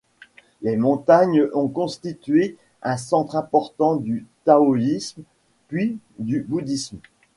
Les montagnes ont constitué un centre important du taoïsme puis du bouddhisme.